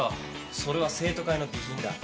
それは生徒会の備品だ。